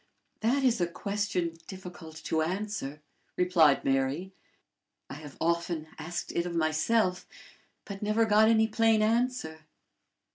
"That is a question difficult to answer," replied Mary. "I have often asked it of myself, but never got any plain answer."